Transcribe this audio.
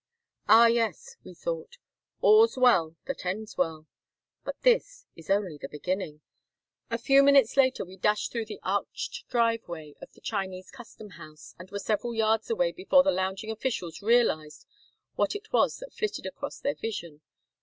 "Ah, yes," we thought; " 'All's well that ends well,' but this is only the beginning." THE CUSTOM HOUSE AT KULDJA. A few minutes later we dashed through the arched driveway of the Chinese custom house, and were several yards away before the lounging officials realized what it was that flitted across their vision.